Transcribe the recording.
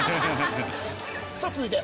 さぁ続いて。